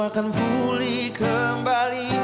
tapi aku akan pulih kembali